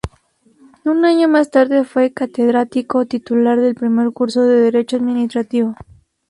Un año más tarde fue catedrático titular del primer curso de derecho administrativo.